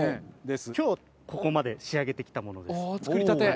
今日ここまで仕上げて来たものです。